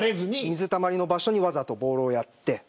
水たまりの場所にわざとボールをやって。